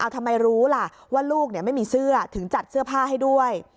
ทำไมรู้ล่ะว่าลูกไม่มีเสื้อถึงจัดเสื้อผ้าให้ด้วย